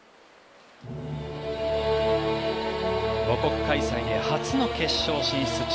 母国開催で初の決勝進出